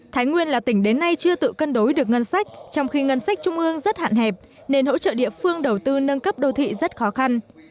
thái nguyên là tỉnh đến nay chưa tự cân đối được ngân sách trong khi ngân sách trung ương rất hạn hẹp nên hỗ trợ địa phương đầu tư nâng cấp đô thị rất khó khăn